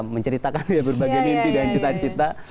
menceritakan berbagai mimpi dan cita cita